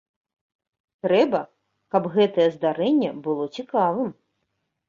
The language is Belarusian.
Трэба, каб гэтае здарэнне было цікавым.